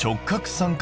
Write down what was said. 三角。